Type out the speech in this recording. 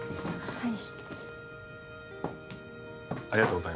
はい。